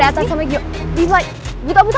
buta buta buta